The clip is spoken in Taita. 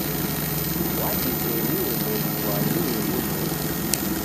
W'adizerie ndew'iw'adie w'uloli.